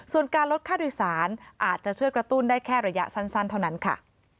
ส่วนการลดค่าโดยสารอาจจะช่วยกระตุ้นได้แค่ระยะสั้นเท่านั้นค่ะ